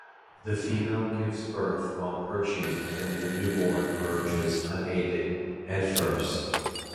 The female gives birth while perching and the newborn emerges unaided, head first.